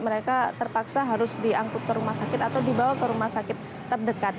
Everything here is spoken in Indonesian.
mereka terpaksa harus diangkut ke rumah sakit atau dibawa ke rumah sakit terdekat